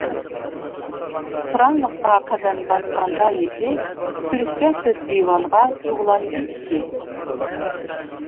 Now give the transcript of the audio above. قىرانلىققا قەدەم باسقاندا يېشى، تۈركچە تۆت دىۋانغا جۇغلاندى ئىشى.